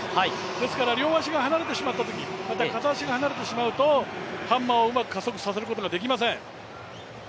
ですから両足が離れてしまったとき、または片足が離れてしまうとハンマーをうまく加速させることができません。